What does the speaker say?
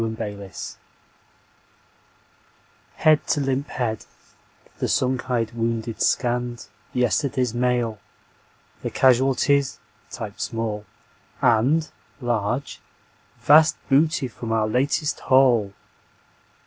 Smile, Smile, Smile Head to limp head, the sunk eyed wounded scanned Yesterday's Mail; the casualties (typed small) And (large) Vast Booty from our Latest Haul.